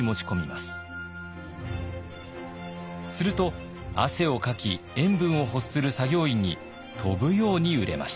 すると汗をかき塩分を欲する作業員に飛ぶように売れました。